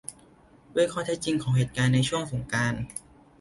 ด้วยข้อเท็จจริงของเหตุการณ์ในช่วงสงกรานต์